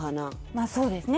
まあそうですね